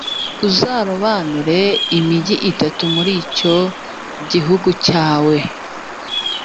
uzarobanure imigi itatu muri icyo gihugu cyawe,